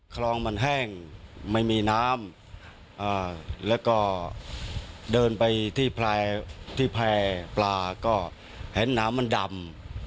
คลองมันแห้งไม่มีน้ำแล้วก็เดินไปที่แพร่ปลาก็เห็นน้ำมันดำ